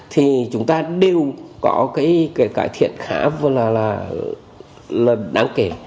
thì chúng ta đều có cái cải thiện khá là đáng kể